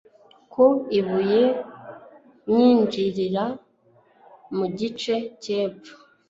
Ku ibuye ryinjirira mu gice cyepfo